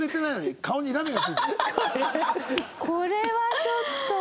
これはちょっと。